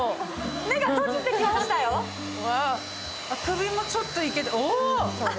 首もちょっといいけど。